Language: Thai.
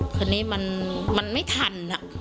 วันนี้มันไม่ทันอ่ะ